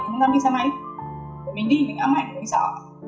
mình đi mình ấm ảnh mình sợ